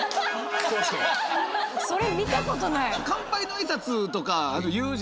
それ見たことない。